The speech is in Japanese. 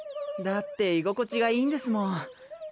だって居心地がいいんですもん。